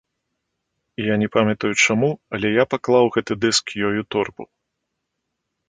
І я не памятаю чаму, але я паклаў гэты дыск ёй у торбу.